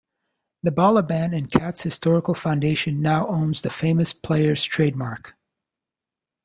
The Balaban and Katz Historical Foundation now owns the Famous Players trademark.